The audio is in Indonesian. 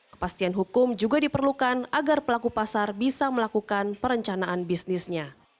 kepastian hukum juga diperlukan agar pelaku pasar bisa melakukan perencanaan bisnisnya